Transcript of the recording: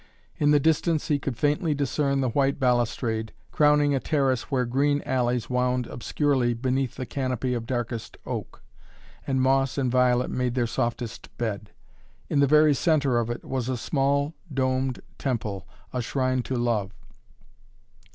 In the distance he could faintly discern the white balustrade, crowning a terrace where green alleys wound obscurely beneath the canopy of darkest oak, and moss and violet made their softest bed. In the very centre of it was a small domed temple, a shrine to Love.